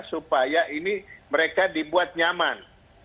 supaya ini mereka dibuat nyaman